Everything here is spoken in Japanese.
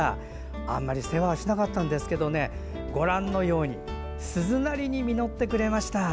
あんまり世話をしなかったんですけどご覧のように鈴なりに実ってくれました。